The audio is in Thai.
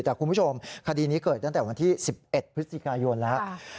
แต่คุณผู้ชมคดีนี้เกิดตั้งแต่วันที่๑๑พฤศจิกายนแล้ว